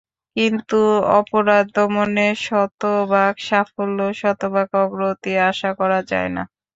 কিন্তু অপরাধ দমনে শতভাগ সাফল্য, শতভাগ অগ্রগতি আশা করা যায় না।